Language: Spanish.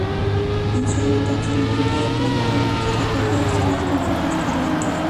En su hábitat se alimenta de plancton que recoge de zonas con fuertes corrientes.